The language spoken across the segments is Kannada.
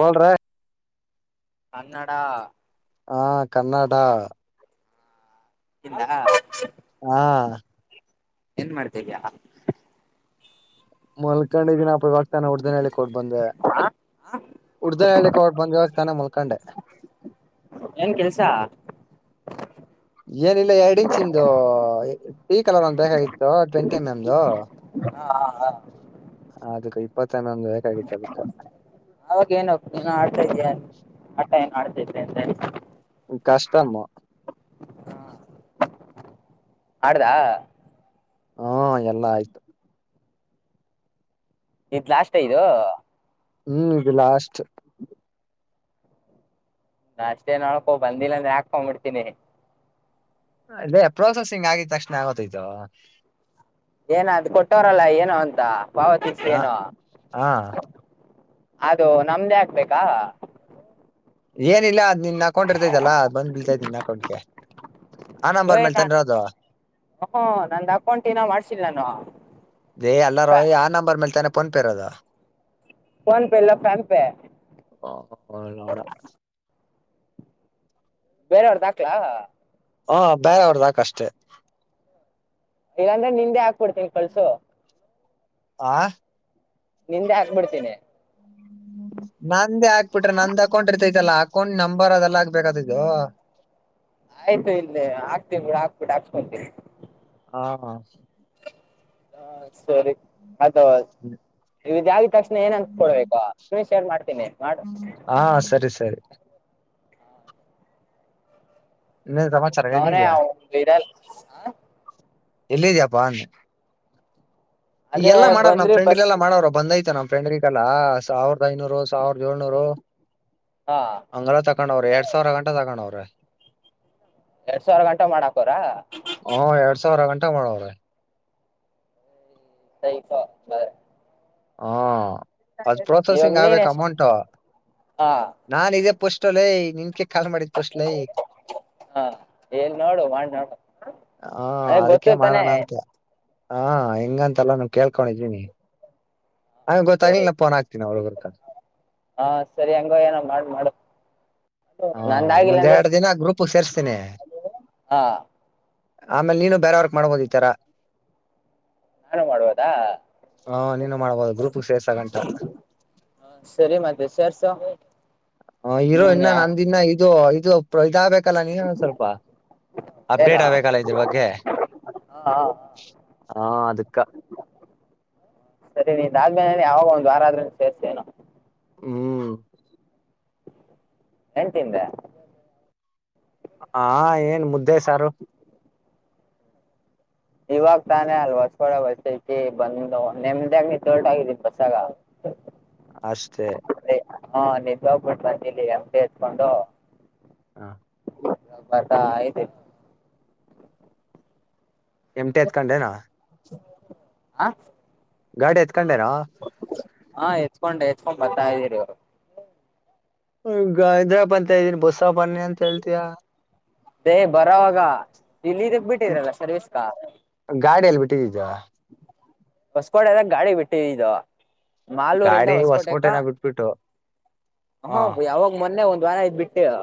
ಬೋಲ್ ರೇ ಕನ್ನಡ ಹಾ ಕನ್ನಡ ತಿಂದಅ ಹಾ ಎನ್ ಮಾಡ್ತಾ ಇದ್ದೀಯಾ ಮಲ್ಕಂಡ ದಿನಾಪ ಇವಾಗತಾನ ಹೊಡೆದೇನಹಳ್ಳಿ ಕ ಹೋಗಿ ಬಂದೆ ಕುಡಿದೇನಳ್ಳಿ ಕೊಬ್ಬರಿ ಇವಾಗ ತಾನೆ ಮುಲ್ಕೊಂಡೆ ಏನ್ ಕೆಲ್ಸ ಏನಿಲ್ಲ ಎರಡ್ ಇಂಚ ಇಂದು [unintelligible] [unintelligible] ಕಲರ್ ಒಂದ್ ಬೇಕಾಗಿತ್ತು ಟ್ವೆಂಟಿ ಎಮ್ ಎಮ್ದು ಹಾ ಹಾ ಹ ಅದದು ಇಪ್ಪತ್ತು ಅವಾಗೇಏನ್ತ [unintelligible] ನೀನು ಆಡ್ತಾ ಇದಯ ಆಟ ಏನ್ ಆಡ್ತ [unintelligible] [unintelligible] ಕಷ್ಟಮ್ಮ [unintelligible] ಆಡದಾ ಹಾ ಎಲ್ಲ ಆಯ್ತು ಇತ್ ಲಾಸ್ ಇದು ಹ್ಮ್ ಇದು ಲಾಸ್ಟ್ [inaudible] ಲಾಷ್ಟೇ ನೋಡ್ಕೋಪ ಬಂದಿಲ್ಲ ಅಂದ್ರೆ ಹಾಕೊಂಡ್ಬಿಡ್ತೀನಿ ಅದೇ ಪ್ರೋಸೆಸಿಂಗ್ ಆಗಿದ ತಕ್ಷಣ ಆಗೋತೈತ ಏನ ಅದು ಕೊಟ್ಟವರಲ್ಲ ಏನೋ ಅಂತ ಪಾವತಿಸಿ ಹ ಏನೋ ಹಾ ಅದು ನಮ್ದೇ ಹಕ್ಬೇಕಾ ಏನಿಲ್ಲ ನಿನ್ ಅಕೌಂಟ್ ಇರ್ತೈದಲ್ಲಾ ಬ್ ಬಲ್ತೈ್ ನಿನ್ ಅಕೌಂಟ್ಗೆ ಆ ನಂಬರ್ ಯ್ ಮೇಲ್ ನಾ ತಾನೆ ಇರೋದು ಹ ನಂದು ಅಕೌಂಟ್ನ ಮಾಡ್ಸಿಲ್ಲ ನಾನು ದೇ ಹಲ್ಲಾರೋ ಆ ನಂಬರ್ ಮಲ್ತಾನೆಫೋನ್ ಪೆ ನಂಬರ್ ಇರೋದು ಫೋನ್ಪೇ ಇಲ್ಲ ಫ್ಯಾನ್ಪೇ ನೋಡ ಬೇರೆಯವ್ರ್ದ ಹಾಕ್ಲಾ ಹಾ ಬೇರೆ ಅವ್ರ್ದಅಕು ಅಷ್ಟೆ ಈಗಂದ್ರೆ ನಿಂದೆ ಹಾಕ್ಬಿಡ್ತೀನಿ ಕಳ್ಸು ಆ ನಿಂದೆ ಆಾಕ್ಬಿಡ್ತೀನಿ ಅಕೌಂ ನಂಬರ್ ಅದೆಲ್ಲ ಆಗ್ಬೇಕಾದ [unintelligible] ಆಯ್ತು ಇಲ್ಲೇ ಹಾಕ್ತೀವಿ ಗಳ ಹಾಕ್ಬಿಟ್ಟು ಹಾಸ್ಕೊಂತೀವಿ ಹಾ ಹಾ ಸರಿ ಅದು ಇವಾಗ ಯಾವುದಕ್ಕ [unintelligible] ಏನ್ ಅನ್ತ್ಕೊಡ್ಬೇಕ ಸ್ಕ್ರೀನ್ ಶೇರ್ ಮಾಡ್ತೀನಿ ಮಾಡು [unintelligible] ಹಾ ಸರಿ ಸರಿ ಇನ್ನೇನ್ ಸಮಾಚಾರ ಒಬ್ಬನ ಎಲ್ಲಿದ್ಯಾ ಅವನೇ [unintelligible] ಎಲ್ಲಿದ್ಯಾಪ್ಪ ಅದೇ ಎಲ್ಲಾ ಮಾಡವ ನಮ್ ಬಂದ್ರಿ ಫ್ರೆಂಡ್ ಬಸ್ ಇಲ್ಲಲ್ಲಾ ಮಾಡವ್ರ ಬಂದಐತ ನಮ್ ಫೆಂಡ್ರಗಲ್ಲಾ ಸಾವಿರದ ಐನೂರು ಸಾವಿರದ ಏಳ್ನೂರು ಹಾ ಅಂಗಗಳ ತಕೊಂಡವ್ರ ಎರಡ್ ಸಾವಿರ ಗಂಟೆ ತಗೊಂಡವ್ರ ಎರಡ್ ಸಾವಿರ ಗಂಟೆ ಮಾಡಾಕವರ ಹ್ಮ ಎರಡ್ ಸಾವಿರ ಗಂಟಾ ಮಾಡೋರೆ ಸೈ ಸ ಬರ ಹಾ ಅದ್ ಪ್ರೋಸೆಸಿಂಗ್ ನೀನ್ ಆಗ್ಬೇಕ ಎಷ್ಟ ಅಮೌಂಟ್ ಹಾ ನಾನ ಇದೇ ಪೋಸ್ಲ್ ಯ ನಿನ್ಕ ಕಾ ಮಾಡಿದ್ ಪೋಸ್ಟ್ಲ್ ಲೇ ಹಾ ಏನ್ ನೋಡು ಮಾಡಿ ನೋಡು ಅ ಗೊತ್ತ ತಾನೆ ಹಾ ಹೆಂಗಂತಲ್ಲ ನ ಕೇಳ್ಕೊಂಡಿದೀನಿ ಹಂಗಗೆ ಗೊತ್ತಾಗಿಲ ಸರಿ ನ ಪೋನ್ ಹಾಕ್ತೀನಿ ಅವ್ರ್ರ ಹಾ ಸರಿ ಹೆಂಗೋ ಏನೋ ಮಾಡ್ ಮಾಡು ಹಾ ನಂದಾಗಿಲ್ಲ ಇನ್ನೊಂದ್ ಅಂದ್ರೆ ಎರಡು ದಿನ ಗ್ರೂಪ್ ಸೇರ್ಸ್ತೇನೆ ಹಾ ಆಮೇಲೆ ನೀನು ಬೇರವರ್ಕ್ ಮಾಡ್ಬೋದ ಈತಾರ ನಾನು ಮಾಡುವದಾ ನೀನು ಮಾಡ್ಬೋದು ಗ್ರೂಪ್ ಸೇರ್ಸಗಂಟ ಹ ಸರಿ ಮತ್ತೆ ಸರ್ಸ ಮನ್ [unintelligible] ಇದನ್ನ ಇದು ಇದು ಇದ ಆಗಬೇಕಲ್ಲ ನೀ ಸ್ವಲ್ಪ ಏನಾ ಅಪ್ಡೇಟ್ ಆಗ್ಬೇಕಲ್ಲ ಇದ್ರ ಬಗ್ಗೆ ಹಾ ಹಾ ಹಾ ಸಿಕ್ಕ ಇದುದ್ಮೇಲೆ ಯಾವಾಗ ಒಂದ ವಾರ ಆದ್ರ ಸೇರ್ತೇನೋ ಹ್ಮ್ ಏನ್ ತಿಂದೆ ಹಾ ಏನ್ ಮುದ್ದೆ ಸಾರು ಇವಾಗ ತಾನೇ ಅಲ್ ಹೊಸ್ಕಡ ಬಸತಿ ಬಂದ ನೆಮದಾಗ ನಿ ತೋರ್ಟ ಆಗಿದೀ ಬಸಾಗ ಅಷ್ಟೇ ಹಾ ನಿನ್ ಹೋಗ್ಬಿಟ್ಟು ನಂದಲಿ ಎಮ ಎತ್ಕೊಂಡು ಹಾ ಬಟ ಆಯ್ತಲ್ಲ ಎಮ್ ಟಿ ಎತ್ಕೊಂಡೆನಾ ಹ ಗಾಡಿ ಎತ್ಕೊಂಡೆನ ಹಾ ಎಚ್ಕೊಂಡು ಹೆಚ್ಕೊಂಡ್ ಬರ್ತಾ ಇದ್ದೀರಿ ಅವರು ಈ ಹೈದ್ರಾ ಬ ಅಂತ ಇದ್ದೀನಿ ಬಸ ಬನ್ನಿ ಅಂತ ಹೇಳ್ತಯಾ ದೇ ಬರವಾಗ ಇಲ್ಲ ಇದಕ್ ಬಿಟ್ಟಿದ್ರಲ್ಲ ಸರ್ವಿಸಸ್ [unintelligible] ಹೊಸ್ಕೋಡೆ ಎದಾಗ ಗಾಳಿ ಬಿಟ್ಟಿದಿದ ಮಾಲೂರಿಂದ ಗಾಡಿ ಹೊಸ್ಕೋಟಕ್ಕ ಹೊಸಕೋಟೆನ ಬಿಟ್ಬಿಟ್ಟು ಹ ಯಾವಾಗ ಮೊನ್ನೆ ಒ ದ್ವಾರ ಐ ಬಿಟ್ಟೆವೂ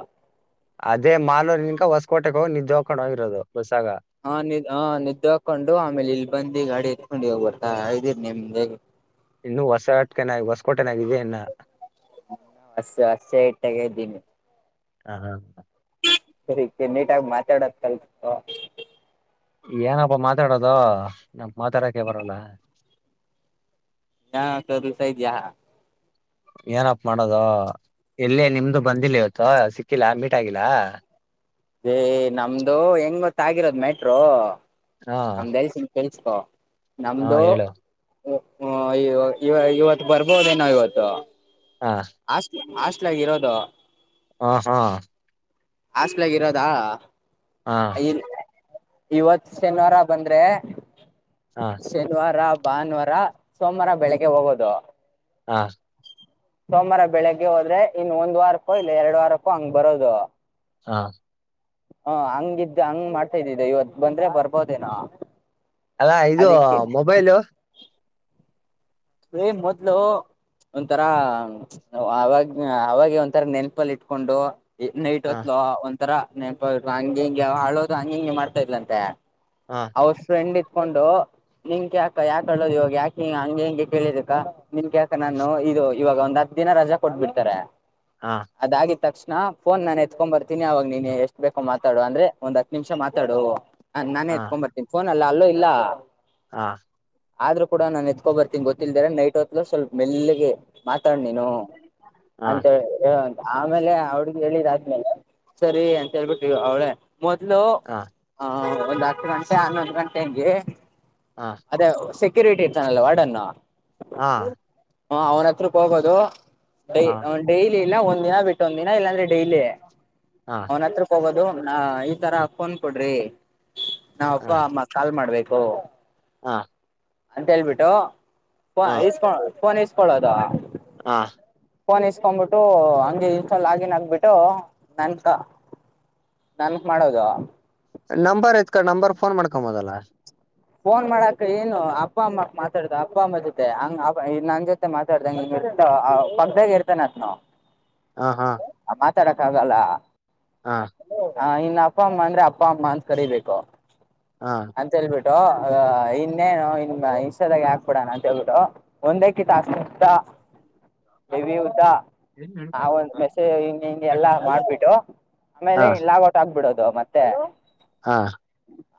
ಅದೇ ಮಾಲ ನಿನ್ ಹೊಸ್ಕೋಟೆ ಹೋಗಿ ನಿದ್ದೆ ಹೋಗ್ಕೊಂಡು ಹೋಗಿರೋದು ಬಸ್ಸಾಗ ಹಾ ನಿ ಹಾ ನಿದ್ದೆ ಹಾಕೊಂಡು ಆಮೇಲೆ ಇಲ್ಲಿ ಬಂದಿ ಗಾಡಿ ಎತ್ಕೊಂಡಿ ಹೋಗ್ಬ ಹ ಹ್ದೀರಿ ನಿಮ್ದೇ ಇನ್ನು ಹೊಸಕನ ಹೊಸಕೋಟೆನಾಗಾಗಿದೆ ಇನ್ನ ಹ ಹಸ ಹಸೆ ಇಟ್ಟಾಗ ಇದ್ದೀನಿ ಹಾ ಹಾ ಹ ಸಕ್ಕೆ ನೀಟಾಗಿ ಮಾತಾಡದ ಕಲ್ ಏನಪ್ಪಾ ಮಾತಾಡೋದು ನ ಮಾತಾಡಕೆ ಬರಲ್ಲ ನಾ ಸದುಸ ಇದ್ಯಾ ಏನಪ್ ಮಾಡೋದ ಎಲ್ಲೇ ನಿಮ್ದು ಬಂದಿಲ್ಲ ಇವತ್ತ ಸಿ ಹಾಕಿಲ್ಲಾ ಮೀಟಗಿಲ್ಲಾ ಹೇ ನಮ್ದು ಹೆಂಗೊತ್ತಾಗಿರೋದ್ ಮ್ಯಾಟ್ರೋ. ಹಾ ಕೆಲ್ಸಕೋ ಹಾ ನಮ್ದು. ಹೇಳು ಇವತ್ತು ಬರ್ಬೋದೇನ ಇವತ್ತು ಹಾ ಅಷ್ಟ ಅಷ್ಟ. ಇರೋದು. ಹ ಹಾ. ಹಾಸ್ಲ್ ಆಗ ಇರೋದಾ. ಹಾ ಇಲ್ ಇವತ್ ಶನಿವಾರ ಬಂದ್ರೆ ಹಾ ಶನಿವಾರ. ಭಾನುವಾರ ಸೋಮವಾರ ಬೆಳಿಗ್ಗೆ ಹೋಗೋದು. ಹಾ ಸೋಮವಾರ ಬೆಳಿಗ್ಗೆ ಹೋದ್ರೆ ಇನ್ನು ಒಂದ್ ವಾರಕ್ಕೋ ಇಲ್ಲ ಎರಡು ವಾರಕ್ಕೋ ಹಂಗ್ ಬರೋದು. ಹಾ ಹಾ ಹಂಗಿದ್ದ ಹಂಗ್ ಮಾಡ್ತಾ ಇದ್ದಿದ್ದೆ ಇವತ್ತು ಬಂದ್ರೆ ಬರ್ಬೋದೇನ. ಅಲ್ಲಾ ಇದು ಮೊಬೈಲು. ಹೇ ಮೊದ್ಲು. ಒಂಥರಾ ಅವಾಗ ಅವಾಗ ಒಂಥರ ನೆನ್ಪಲ್ಲಿ ಇಟ್ಕೊಂಡು. ನೈಟ್ ಹಾ ಹೊತ್ಲ ಒಂತರ ನೆನ್ಪ ಹಂಗ ಹಿಂಗೆ ಹಾಳೋದು ಹಂಗ ಹಿಂಗೆ ಮಾಡ್ತಾ ಇದ್ಲಂತೆ. ಹಾ ಅವಳ ಫ್ರೆಂಡ್ ಹಿಡುಕೊಂಡು. ನಿನ್ ಕ್ಯಾಕ ಯಾತ ಹೇಳಳ್ಳೋದು ಇವಾಗ ಯಾಕೆ ಹಂಗೆ ಹಂಗೆ ಕೇಳಿದಕ್ಕ ನಿನ್ ಕ್ಯಾಕ ನಾನು ಇದು ಇವಾಗ ಒಂದ್. ದಿನ ರಜಾ ಕೊಟ್ಬಿಡ್ತಾರೆ ಹಾ ಅದಾಗಿತ್ತು. ತಕ್ಷಣ ಫೋನ್ ನಾನ ಎತ್ಕೊಂಡ್ ಬರ್ತೀನಿ ಅವಾಗ ನೀನು ಎಷ್ಟ ಬೇಕೋ ಮಾತಾವ ಅಂದ್ರೆ ಒಂದ್ ಹತ್ತು ನಿಮಷ ಮಾತಾವ. ಹಾ ಹಕೊಬರ್ತೀನಿ ಫೋನ್ ಅಲ್ಲ ಅಲ್ಲೂ ಇಲ್ಲ. ಹಾ ಆದ್ರೂ ಕೂಡ ನಾನ್ ಎತ್ಕೊ ಬರ್ತೀನಿ ಗೊತ್ತಿಲ್ದ ನೈಟ್ ಹೊತ್ ಸ್ವಲ್ಪ ಮೆಲ್ಗೆ. ಮಾತಾಡ್ ನೀನು ಹಾ ಅಂತಿ ಆಮೇಲೆ ಅವಡ್ಗ ಹೇಳಿದ. ಸರಿ ಅಂತ ಹೇಳ್ಬಿಟ್ರಿ ಅವಳೇ ಮೊದ್ಲು. ಹಾ ಹ ಗಂಷೆ ಹನ್ನೊಂದು ಗಂಟೆ ಹಂಗೆ ಹಾ ಅದೇ ಸೆಕ್ಯೂರಿಟಿ ಇರ್ತಾನಲ್ಲ ವಾಡನ್ನು. ಹಾ ಹ ಅವ್ನ ಹತ್ರಕ್ಕೆ ಹೋಗೋದು ಹಾ ಹಾ ಡೈಲಿ ಇಲ್ಲ ಒ. ಒಂದ್ ದಿನ ಬಿಟ್ಟೊಂದ್ ದಿನ ಇಲ್ಲಾಂದ್ರೆ ಡೈಲಿ ಹಾ ಅವನ ಹತ್ರಕ್ಕೆ ಹೋಗೋದು. ಒ ತರ ಫೋನ್ ಕೊಡ್ರಿ ನಾವ್ ಅಪ್ಪ ಅಮ್ಮ ಕಾಲ್ ಮಾಡ್ಬೇಕು. ಹಾ ಅಂತ ಹೇಳ್ಬಿಟ್ಟು ಇಸ್ಕೊ ಫೋನ್ ಇಸ್ಕೊಳ್ಳೋದು. ಹಾ ಫೋನ್ ಇಸ್ಕೊಂಡ್ಬಿಟ್ಟು ಹಂಗ ಇನ್ಸ್ಟ ಲಾಗಿನ್ ಆಗ್ಬಿಟ್ಟು ನನ್ಕ. ನನ್ಕ್ ಮಾಡೋದೂ. ನಂಬರ್ ಎತ್ಕೊ ನಂಬರ್ ಫೋನ್ ಮಾಡ್ಕೊ ಮೊದಲ್ಲ. ಫೋನ್ ಮಾಡಕ ಏನು ಅಪ್ಪ ಅಮ್ಮ ಮಾತಾಡ್ದ ಅಪ್ಪ ಅಮ್ಮ ಜೊತೆ ಹಂಗ ಅ ನನ್ ಜೊತೆ ಮಾತಾಡ್ದಂಗ. ಪಕ್ಕದಾಗ ಇರ್ತೇನೆತ್ ನ. ಹಾ ಹಾ ತರಕ್ಕ ಆಗಲ್ಲ. ಹಾ ಹ ಇನ್ನ ಅಪ್ಪ ಅಮ್ಮ ಅಂದ್ರೆ ಅಪ್ಪ ಅಮ್ಮ ಅಂತ ಕರಿಬೇಕು ಹಾ ಅಂತ ಹೇಳ್ಬಿಟ್ಟು. ಅ ಇನ್ನೇನು ಇನ್ ಇಷ್ಟದಾಗೆ ಹಾಕ್ಬಿಡಣ ಅಂತ ಹೇಳ್ಬಿ ಒಂದೇಕ್ಕಿಂತ ಅಷ್ಟುಷ್ಟ. ಹ್ಮ [unintelligible] ಹ ಒಂದು ಮೆಸೇಜ್ ಇನ್ನ ಇನ್ ಎಲ್ಲ ಮಾಡ್ಬಿಟ್ಟು ಆಮೇಲೆ ಹಾ ಲಾಗಔಟ್ ಆಗ್ಬಿಡೋದು. ಅದು ಮತ್ತೆ. ಹಾ.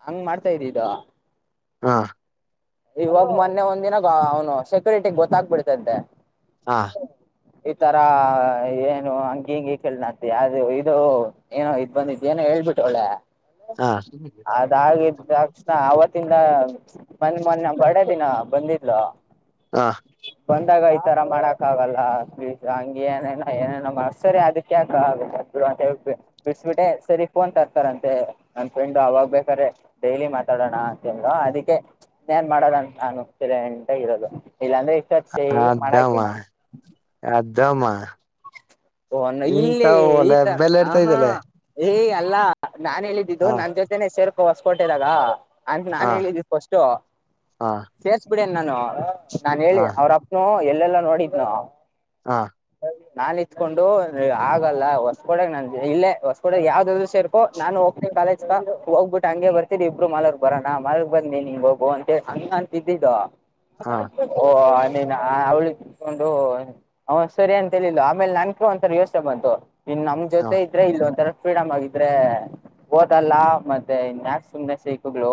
ಹಂಗ್ ಮಾಡ್ತಾ ಇದ್ದಿ ಹಾ ಇವಾಗ ಮೊನ್ನೆ ಒಂದ್ನಾಗ ಅವ್ನು ಸೆಕ್ಯೂರಿಟಿ ಗೊತ್ತಾಗಬಿಡ್ತಂತೆ ಹಾ ಈ ತರ ಏನು ಹಂಗಿ ಹಿಂಗಿ ಕೇಳ ನತಿ ಅದು ಇದು ಏನೋ ಇದ್ ಬಂದಿದ್ದ ಏನೋ ಹೇಳ್ಬಿಟ್ಟ ಒಳ್ಳೆ ಹಾ ಹಾ ಅದಾಗಿದ ತಕ್ಷಣ ಅವತ್ತಿಂದ ಮಂದ್ ಮೊನ್ನೆ ಬರ್ಡೆ ದಿನ ಬಂದಿದ್ಲ ಹಾ ಬಂದಾಗ ಈ ತರ ಮಾಡಕ್ ಆಗಲ್ಲ್ ಪ್ಲೀಸ್ ಹಂಗ ಏನೇನ ಏನೇನ ಮಾಡ್ಸ್ತಾರೆ ಅದಕ್ಯಾಕ ಆಗ ಬಿಡಿಸಬಿಟ್ಟೆ ಸರಿ ಫೋನ್ ತರ್ತಾರಂತೆ ನಮ್ ಫ್ರೆಂಡ್ ಅವಾಗ ಬೇಕಾದ್ರೆ ಡೈಲಿ ಮಾತಾಡ್ ನೋಡೋಣಕಂದ್ವ ಅದಕ್ಕೆ ಫೋನ್ ಮಾಡೋದಂತ ನಾನು ಅಂತ ಇರೋದು ಇಲ್ಲಾಂದ್ರೆ ಇಷ್ಟತ್ತು ಸ ಅದಮ್ಮ ಮಾಡಾಕನೆ ಅದಮ್ಮ ಓ ನ ಇಂತ ಇಲ್ಲಿ ಒಲೆ ಈತ ಬೆಲೆ ಹ ಇಡ್ತಾ ಹಾ ಇದಲ್ಲೇ ಏಯ್ ಅಲ್ಲಾ ನಾನನ್ ಹೇಳಿದ್ದಿದ್ದು ಹಾ ನನ್ ಜೊತೆನೆ ಸೇರ್ಕ ಹೊಸ್ಕ ಕೊಟ್ಟಿದಾಗ ಅಂತ ಹಾ ನಾನನ್ ಹೇಳಿದ್ದು ಫಾ ಸ್ಟ ಹಾ ಸೇಸ್ಬಿಡ ನಾನು ನಾನನ್ ಹೇಳಿ ಹಾ ಅವ್ರಪ್ಪನು ಎ ಎಲ್ಲೆಲ್ಲಾ ನೋಡಿದ್ನ ಹಾ ನಾನ್ ಇತ್ಕೊಂಡು ಆಗಲ್ಲ ಹೊಸ ಕೂಡೆಗ್ ನನ್ ಇಲ್ಲೇ ಹೊಸ ಕೂಡೆ ಯಾವ್ದಾದ್ರು ಸೇರ್ಕೋ ನಾನು ಹೋಗ ಕಾಲೇಜ್ ಹೋಗ್ಬಿಟ್ಟು ಹಂಗೆ ಬರ್ತೀನಿ ಇಬ್ಬರು ಮಾಲರ್ಗ್ ಬರೋಣ ಮಾಲಗ್ ಬಂದ ನೀ ನಿಂಗ ಹೋಗು ಅಂತ ಹಂಗ ಅಂತಿದ್ದಿದ್ದ ಹಾ ಓ ನೀ ಅವಳಿಗೆತ್ಕೊಂಡು ಹ ಸರಿ ಅಂತ ಹೇಳಿಲ್ಲ ಆಮೇಲೆ ನನ್ಕ ಒಂಥರ ಯೋಚನೆ ಬಂತು ಇನ್ ನಮ್ ಹಾ ಜೊತೆ ಇದ್ರೆ ಇಲ್ಲ ಒಂಥರ ಫ್ರೀಡಮ್ ಆಗಿದ್ರೆ ಓದಲ್ಲ ಮತ್ತೆ ಮನ್ಯಾಕ್ಸ್ ಸುಮ್ನೆ ಸಕ್ಗ್ಗಳು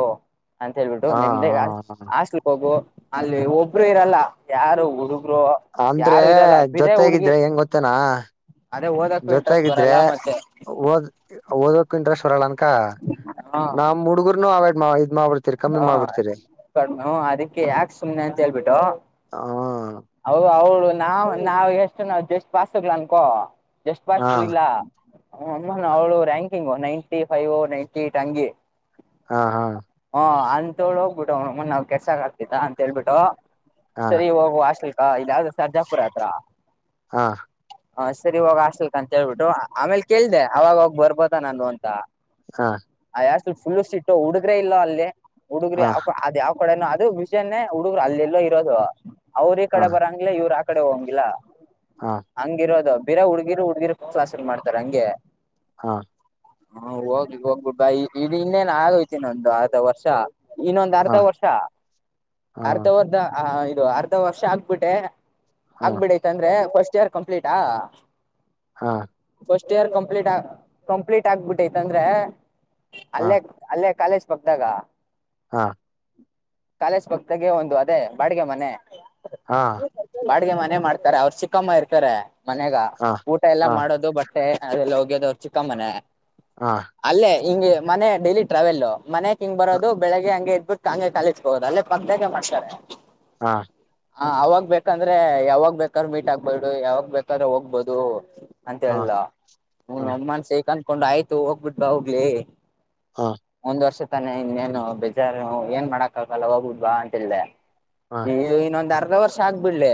ಅ ಂತೇಳ್ಬಿಟ್ಟು ನಿಮ್ದೇ ಹಾ ಹಾಸ್ಲ್ ಹೋಗು ಅಲ್ಲಿ ಒಬ್ರು ಇರಲ್ಲ ಯಾರು ಹುಡುಗ ಇರೊ ಅಂದ್ರೆ ಯಾರು ಇರಲ್ಲ ಬಿರೆ ಹುಡ್ಗಿ ಅದೇ ಓದಕ್ಕೂ ಇಂಟ್ರೆಸ್ಟ್ ಜೊತ್ತಾಗಿದ್ರೆ ಬರಲ್ಲ ಮತ್ತೆ ಓದ್ ಓದಕ್ ಇಂಟ್ರೆಸ್ಟ್ ಬರಲ್ಲ ಅನ್ಕ ಆ ನಮ್ ಹುಡುಗರ್ನು ಆವ್ಡ ಮಾ ಇದ್ ಮಾಬಡ್ ಹಾ ಕಡಿ್ಮು ಅದಿಕ್ಕೆ ಯಾಕ್ ಸುಮ್ನೆ ಅಂತ ಹೇಳ್ಬಿಟ್ಟು ಹ ಔವ್ವೂ ಇವ್ನಾ ನಾವ್ ಎಷ್ಟು ನಾವ್ ಜಸ್ಟ್ ಪಸ್ಗ್ಲ ಅನ್ಕೋ ಜಸ್ಟ್ ಹಾ ಪಸ್ತ ಇಲ್ಲ ಅಮ್ಮ ಅವಳು ranking ninety five ninety eight ಅಂಗೆ ಹಾ ಹಾ ಹ ಅಂತೋಳ್ ಹೋಗ್ಬಿಟ್ಟು ಅವನವ್ವನ್ ಕೆಸ ಆಗ್ತಿದ್ದ ಅಂತ ಹೇಳ್ಬಿಟ್ಟು ಹಾ ಸರಿ ಹೋಗುವ ಹಾಸ್ಟ ಹಾ ಇದ್ಯಾವುದೋ ಸರ್ಜಾಪುರ ಹತ್ರ ಹಾ ಹ ಸರಿವೋಗ ಆಸ್ಲ್ಕ್ ಅಂತ ಹೇಳ್ಬಿಟ್ಟು ಆಮೇಲೆ ಕೇಳ್ದ ಅವಾಗೋಗ್ ಬರ್ಬೋದ ನಾನು ಅಂತ ಹಾ ಯ ಫುಲ್ ಸಿಟ್ಟು ಹುಡುಗ್ರ ಇಲ್ಲ ಅಲ್ಲಿ ಹುಡುಗ್ರ ಹಾ ಯ ಅ ಯವ್ ಕೊಡೆನು ಅದು ವಿಷನೇ ಹುಡುಗರು ಅಲ್ಲೆಲ್ಲೋ ಇರೋದು ಅವ್ರ ಕಡೆ ಹಾ ಬರಂಗ್ಲ ಇವ್ರು ಆ ಕಡೆ ಹೋಗಿಲ್ಲ ಹಾ ಹಂಗಿರೋದು ಬೀರೆ ಹುಡ್ಗಿರು ಹುಡ್ಗಿರು ಕ್ಲಾಸ್ ಮಾಡ್ತಾರೆ ಹಂಗೆ ಹಾ ಹಾ ಹೋಗ್ಲಿ ಹೋಗ್ಬಿಟ್ಟಾ ಇ ಇನ್ನೇನ್ ಆಗೋಯ್ತಿನೊಂದು ಆತ ವರ್ಷ ಇನ್ನೊಂದ್ ಅರ್ಧ ಹಾ ವರ್ಷ ಹಾ ಅರ್ಧ ವರ್ ಅ ಇದು ಅರ್ಧ ವರ್ಷ ಆಗ್ಬಿಟ್ಟೆ ಹಾ ಆಗ್ಬಿಡೈತ್ ಅಂದ್ರೆ ಫಸ್ಟ್ ಇಯರ್ ಕಂಪ್ಲೀಟಾ ಹಾ ಫಸ್ಟ್ ಇಯರ್ ಕಂಪ್ಲೀಟ್ ಕಂಪ್ಲೀಟ್ ಆಗ್ಬಿಟ್ಟೈತ್ ಅಂದ್ರೆ ಅಲ್ಲೇ ಅಲ್ಲೇ ಕಾಲೇಜ್ ಪಕ್ದಾಗ ಹಾ ಕಾಲೇಶ್ ಪಕ್ತಗೆ ಒಂದು ಅದೇ ಬಾಡಿಗೆ ಮನೆ ಹಾ ಮನೆ ಮಾಡ್ತಾರೆ ಅವ್ರು ಚಿಕ್ಕಮ್ಮ ಇರ್ತಾರೆ ಮನೆಗ ಹಾ ಊಟ ಎಲ್ಲಾ ಹಾ ಮಾಡೋದು ಬಟ್. ಅಲ್ಲ ಹೋಗ್ಯದವರು ಚಿಕ್ಕಮ್ಮನೆ ಹಾ ಅಲ್ಲೇ ಹಿಂಗೆ ಮನೆ ಡೈಲಿ ಟ್ರಾವೆಲ್ ಮನೆಕ್ ಹಿಂಗ್ ಬರೋದು ಬೆಳಗ್ಗೆ ಹಂಗೆ ಎದ್ಬಿಟ್ಟು ಹಂಗೆ ಕಾಲೇಜ್ ಹೋಗೋದು ಅಲ್ಲೇ ಪಕ್ಕದಾಗ ಮಾಡ್ತಾರೆ. ಹಾ ಹ ಅವಾಗ್ ಬೇಕಂದ್ರೆ ಯಾವಾಗ್ ಬೇಕಾದ್ರೆ ಮೀಟ್ ಆಗ್ಬೋದು ಯಾವಾಗ ಬೇಕಾದ್ರೆ ಹೋಗ್ಬೋದು. ಅಂತ ಹಾ ಹೇಳಲ್ಲಾ ಹ ಹಾ [unintelligible] ಅಂದಕೊಂಡ್ ಆಯ್ತು ಹೋಗ್ಬಿಟ್ಬ ಹೋಗ್ಲಿ. ಹ್ಹಾ. ಒಂದ್ ವರ್ಷ ತಾನೆ ಇನ್ನೇನು ಬೇಜಾರು ಏನ್ ಮಾಡಕ್ ಆಗಲ್ಲ ಹೋಗಿಬಿಟ್ಟು ಬಾ ಅಂತ್ ಹೇಳ್ದೆ. ಹಾ ನೀವು ಇನ್ನೊಂದ್ ಅರ್ಧ ವರ್ಷ ಆಗ್ಬಿಡ್ಲಿ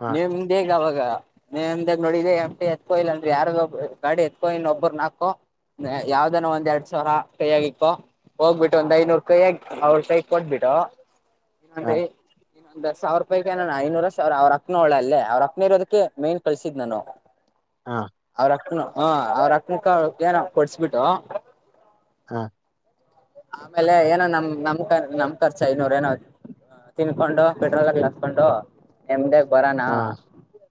ಹಾ ನಿಮ್ದು ಏನ್. ಅವಾಗ ನೀಂದಾಗ ನೋಡ ಎಂಟಿ ಎತ್ಕೋಯಿಲ್ಲ ಯಾರ್ದೋ ಒಬ್ ಗಾಡಿ ಎತ್ಕೋಯನ್ ಒಬ್ರು ನಾಕೋ. ಯಾವ್ದನ ಒಂದ್ ಎರಡ್ ಸಾವಿರ. ಕೈಯಗಿಪ್ಪ ಹೋಗ್ಬಿಟ್ಟು ಒಂದ್ ಐನೂರು ಕೈ ಆಗ ಅವ್ರ ಕೈ ಕೊಟ್ಬಿಡೂ. ಹಾ [unintelligible] ಇನ್ನೊಂದ ಸಾವಿರ ರೂಪಾಯಾನ ಐನೂರ ಸಾವಿರ ಅವ್ರ ಅಕ್ಕನ ಒಳ್ಳ ಅ ಅವ್ರ ಅಕ್ಕನ ಇರೋದಕ್ಕೆ ಮೇನ್ ಕಳಸಿದ್ ನಾನು ಹಾ ಅವ್ರ ಅಕ್ಕನ ಹ ಅವ್ರ ಅಕ್ಕನಕ್ಕ ಏನ ಕೊಡ್ಸಬಿಟ್ಟು. ಹಾ ಆಮೇಲೆ ಏನೋ ನಮ್ ನಮ್ ನಮ್ ಖರ್ಚ ಐನೂರ ಏನೋ ಅಯ್ ತಿನ್ಕೊಂಡು ಪೆಟ್ರೋಲ ಎಲ್ಲಾ ಹಾಸ್ಕೊಂಡು ಎಮ್ದ ಬರೋಣ ಹಾ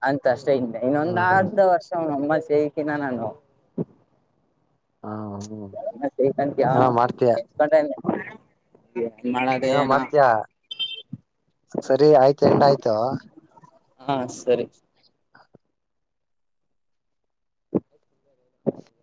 ಅಂತ ಅಷ್ಟೇ ಇನೇನ ಇನ್ನೊಂದ್ ಹ್ಮ್ ಹ್ಮ್ ಅರ್ಧ ವರ್ಷ [unintelligible] ತುಂಬಾ ಶಕಿನ ನಾನು. ಹ್ಮ [unintelligible] ಏನೋ ಮಾಡ್ತೀಯ [unintelligible] ಏನೋ ಮಾಡ್ತೀಯ ಸರಿ ಆಯ್ತು ಎಂಡ ಆಯ್ತು. ಹಾ ಸರಿ [inaudible] [inaudible]